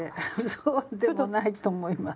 そうでもないと思います。